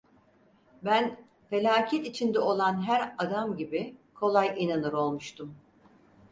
Ben, felaket içinde olan her adam gibi, kolay inanır olmuştum.